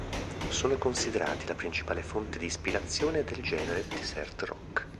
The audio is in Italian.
Sono considerati la principale fonte di ispirazione del genere desert rock.